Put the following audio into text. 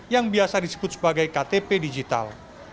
yang biasa disebut sebagai ktp digital